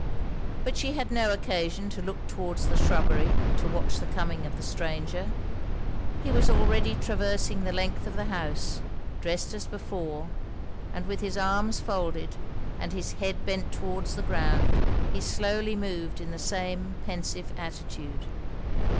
But she had no occasion to look towards the shrubbery to watch the coming of the stranger; he was already traversing the length of the house, dressed as before; and with his arms folded, and his head bent towards the ground, he slowly moved in the same pensive attitude.